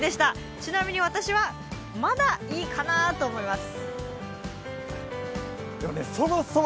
ちなみに私は、まだいいかなぁと思います。